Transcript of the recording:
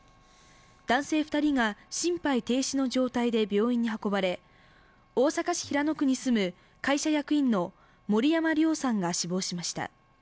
男性２人が心肺停止の状態で病院に運ばれ、大阪市平野区に住む会社役員の森山亮さんが死亡しました。